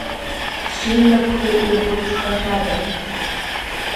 Жьи напхи еиҟәызыҭхахьада!